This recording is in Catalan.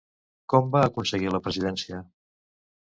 Quan va aconseguir la presidència?